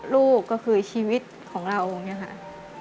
ลูกก็คือชีวิตของเราอย่างนี้ค่ะ